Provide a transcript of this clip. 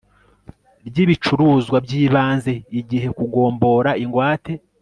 ry ibicuruzwa by ibanze igihe kugombora ingwate